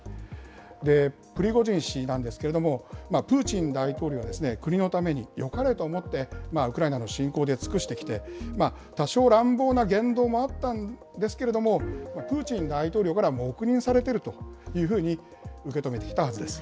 プリゴジン氏なんですけれども、プーチン大統領は国のためによかれと思って、ウクライナの侵攻で尽くしてきて、多少乱暴な言動もあったんですけれども、プーチン大統領から黙認されているというふうに受け止めてきたはずです。